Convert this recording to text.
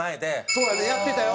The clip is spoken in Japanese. そうやねやってたよ。